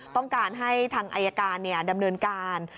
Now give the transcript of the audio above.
ต้องการให้ทางอายการดำเนินการ